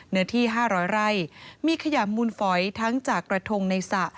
เนื้อที่๕๐๐ไร่มีขยะมูลฝอยทั้งจากกระทงในสระ